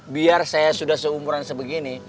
biar saya sudah seumuran sebegini